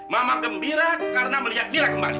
mama gembira karena melihat dia kembali